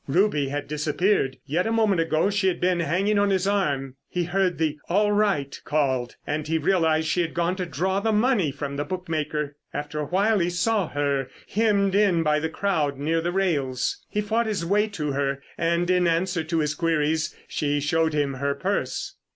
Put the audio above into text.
Ruby had disappeared—yet a moment ago she had been hanging on his arm. He heard the "All right" called and he realised she had gone to draw the money from the bookmaker. After a while he saw her hemmed in by the crowd near the rails. He fought his way to her and in answer to his queries she showed him her purse.